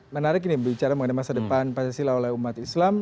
menarik ini bicara mengenai masa depan pancasila oleh umat islam